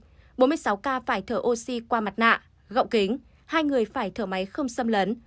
một người phải thở oxy qua mặt nạ gọng kính hai người phải thở máy không xâm lấn